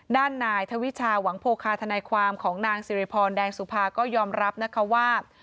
ด้านนายธวิชาหวังโพคาทนายความของนางสิริพรแดงสุภาก็ยอมรับนะคะว่า